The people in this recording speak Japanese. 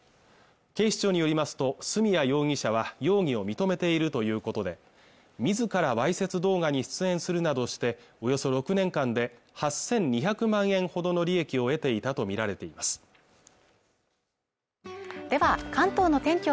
警視庁によりますと角谷容疑者は容疑を認めているということでみずからわいせつ動画に出演するなどしておよそ６年間で８２００万円ほどの利益を得ていたと見られていますでは関東の天気